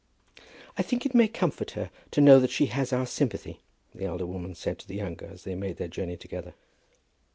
"I think it may comfort her to know that she has our sympathy," the elder woman said to the younger as they made their journey together.